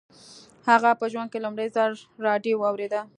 هغه په ژوند کې لومړي ځل راډيو واورېده.